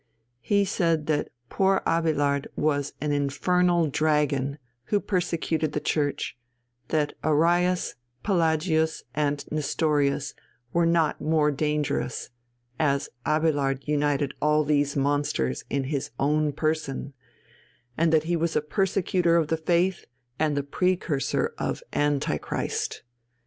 He said that poor Abélard was an infernal dragon who persecuted the Church, that Arius, Pelagius, and Nestorius were not more dangerous, as Abélard united all these monsters in his own person, and that he was a persecutor of the faith and the precursor of Antichrist.